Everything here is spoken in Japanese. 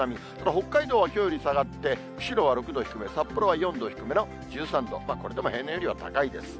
北海道はきょうより下がって、釧路は６度低め、札幌は４度低めの１３度、これでも平年よりは高いです。